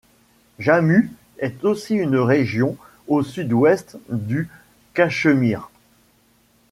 Jammu est aussi une région au sud-ouest du Cachemire.